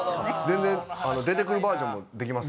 全然出てくるバージョンもできます。